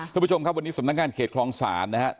คุณผู้ชมครับวันนี้สำนักงานเขตคลองศาลนะครับ